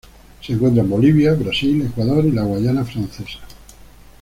Se encuentra en Bolivia, Brasil, Ecuador y la Guayana Francesa.